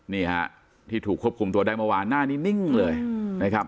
นี่ฮะที่ถูกควบคุมตัวได้เมื่อวานหน้านี้นิ่งเลยนะครับ